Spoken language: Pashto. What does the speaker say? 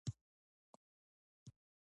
د انسان په بدن کې دوه سوه شپږ هډوکي دي